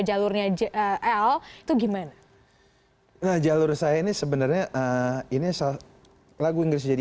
jalurnya jl itu gimana jalur saya ini sebenarnya ini lagu inggris jadi